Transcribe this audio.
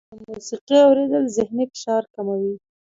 د موسیقۍ اورېدل ذهني فشار کموي.